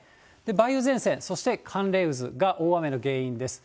梅雨前線、そして、寒冷渦が大雨の原因です。